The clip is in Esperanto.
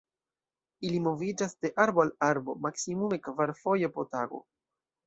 Ili moviĝas de arbo al arbo maksimume kvarfoje po tago.